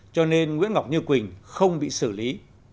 cho nên nguyễn ngọc như quỳnh không bị xử lý